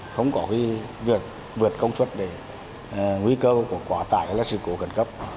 không có cái việc vượt công suất để nguy cơ của quả tải là sự cố gần cấp